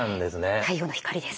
太陽の光です。